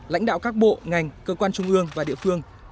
lãnh đạo các bộ ngành cơ quan trung ương và địa phương